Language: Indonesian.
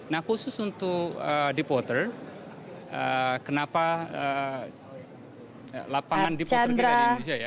nah khusus untuk deep water kenapa lapangan deep water di indonesia